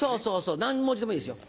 何文字でもいいですよ。